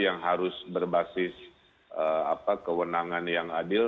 yang harus berbasis kewenangan yang adil